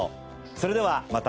それではまた。